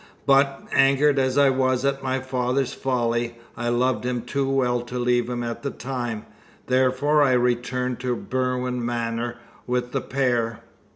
But, angered as I was at my father's folly, I loved him too well to leave him at the time, therefore I returned to Berwin Manor with the pair.